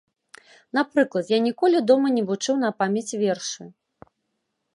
Напрыклад, я ніколі дома не вучыў на памяць вершы.